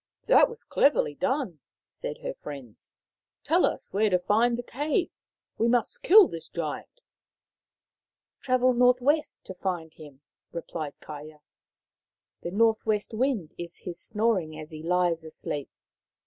" That was cleverly done/' said her friends. " Tell us where to find the cave. We must kill this Giant." Travel north west to find him," replied Kaia. The north w r est wind is his snoring as he lies asleep.